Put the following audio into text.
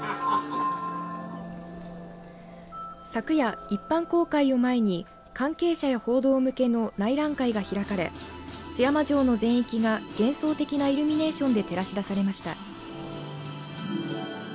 昨夜、一般公開を前に関係者や報道向けの内覧会が開かれ津山城の全域が幻想的なイルミネーションで照らし出されました。